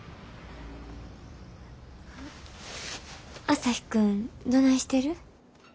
朝陽君どないしてる？